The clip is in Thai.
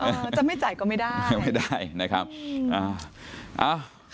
อ่าจะไม่จ่ายก็ไม่ได้ไม่ได้นะครับอ้าวค่ะ